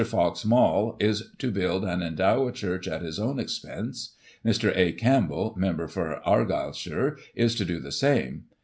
Fox Maule is to build and endow a church at his own ex pense ; Mr. A. Campbell, member for Argyleshire, is to do the same.